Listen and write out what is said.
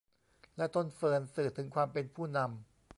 และต้นเฟิร์น สื่อถึงความเป็นผู้นำ